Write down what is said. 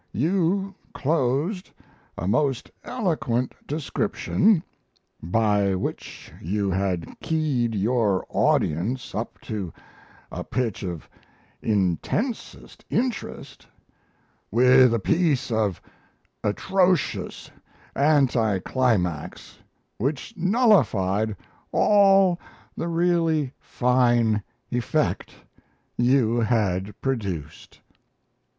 You closed a most eloquent description, by which you had keyed your audience up to a pitch of the intensest interest, with a piece of atrocious anti climax which nullified all the really fine effect you had produced.